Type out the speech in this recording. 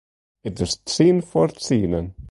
It is tsien foar tsienen.